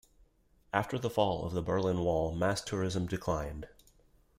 After the fall of the Berlin Wall, mass tourism declined.